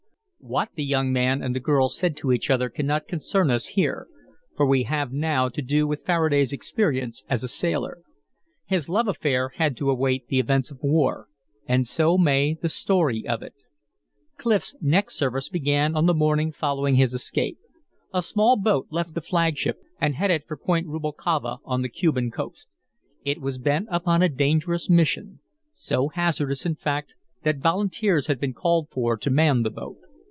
What the young man and the girl said to each other cannot concern us here, for we have now to do with Faraday's experience as a sailor. His love affair had to await the events of war, and so may the story of it. Clif's next service began on the morning following his escape. A small boat left the flagship and headed for Point Rubalcava on the Cuban coast. It was bent upon a dangerous mission; so hazardous, in fact, that volunteers had been called for to man the boat.